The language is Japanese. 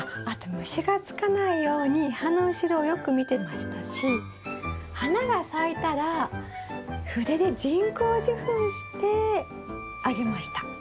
あと虫がつかないように葉の後ろをよく見てましたし花が咲いたら筆で人工授粉してあげました。